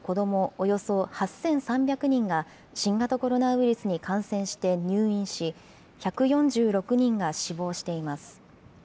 およそ８３００人が新型コロナウイルスに感染して入院し、１４６人が死亡しています。